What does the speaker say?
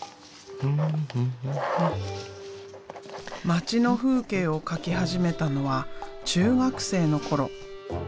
街の風景を描き始めたのは中学生の頃。